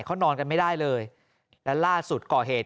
เขานอนกันไม่ได้เลยและล่าสุดก่อเหตุ